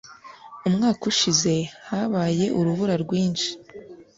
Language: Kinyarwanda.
Umwaka ushize habaye urubura rwinshi.